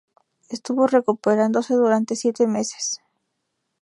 Estuvo recuperándose durante siete meses.